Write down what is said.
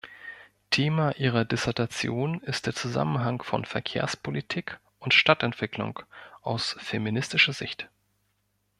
Thema ihrer Dissertation ist der Zusammenhang von Verkehrspolitik und Stadtentwicklung aus feministischer Sicht.